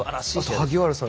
萩原さん